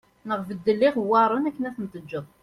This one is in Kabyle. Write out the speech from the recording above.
Neɣ beddel iɣewwaṛen akken ad ten-teǧǧeḍ